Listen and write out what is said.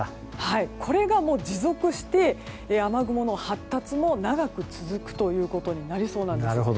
これが持続して雨雲の発達も長く続くということになりそうです。